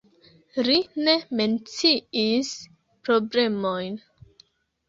Li ne menciis problemojn.